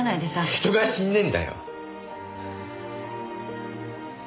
人が死んでんだよ。